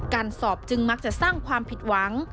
การสอบจึงมักจะสร้างความผิดหวัง